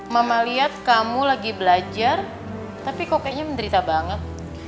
mama lihat kamu lagi belajar tapi kok kayaknya menderita banget